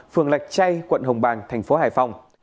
phường lạch chay quận hồng bàng thành phố hải phòng